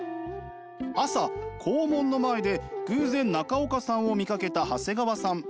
朝校門の前で偶然中岡さんを見かけた長谷川さん。